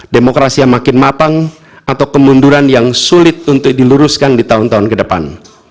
demokrasi yang makin matang atau kemunduran yang sulit untuk diluruskan di tahun tahun ke depan